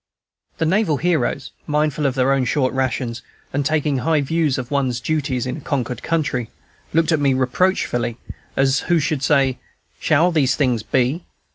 The naval heroes, mindful of their own short rations, and taking high views of one's duties in a conquered country, looked at me reproachfully, as who should say, "Shall these things be?"